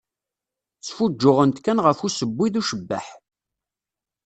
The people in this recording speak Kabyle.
Sfuǧǧuɣent kan ɣef usewwi d ucebbeḥ.